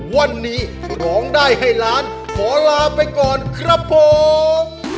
วันนี้ร้องได้ให้ล้านขอลาไปก่อนครับผม